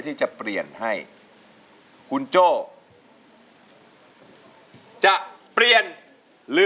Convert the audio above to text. ตะมัดใกล้